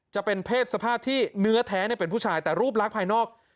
จะเป็นเพศสภาพที่เนื้อแท้เป็นผู้ชายแต่รูปลักษณ์ภายนอก